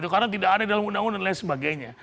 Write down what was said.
karena tidak ada dalam undang undangan dan sebagainya